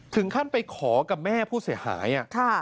ถึงขั้นไปขอกับแม่ผู้เสียหาย